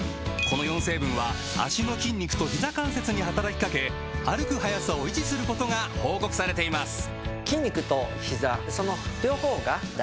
この４成分は脚の筋肉とひざ関節に働きかけ歩く速さを維持することが報告されています